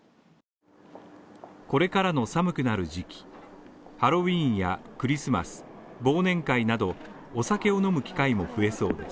これからの寒くなる時期、ハロウィンやクリスマス、忘年会など、お酒を飲む機会も増えそうです。